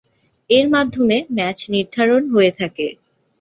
এর মাধ্যমে ম্যাচ নির্ধারণ হয়ে থাকে।